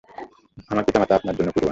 আমার পিতামাতা আপনার জন্য কুরবান।